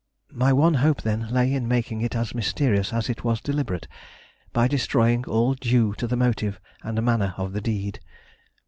My one hope, then, lay in making it as mysterious as it was deliberate, by destroying all clue to the motive and manner of the deed.